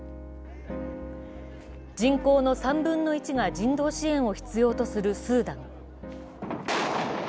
人口の３分の１が人道支援を必要とするスーダン。